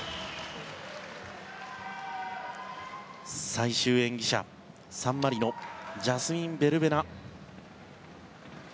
最終演技者、サンマリノジャスミン・ベルベナ。